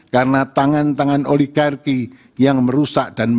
karena tangan tangan oligarki yang telah dikawal oleh kepala negara